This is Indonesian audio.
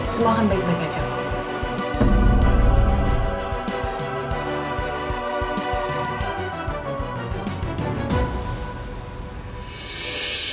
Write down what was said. semua akan baik baik aja loh